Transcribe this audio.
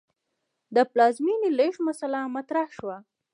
د پلازمې لېږد مسئله مطرح شوه.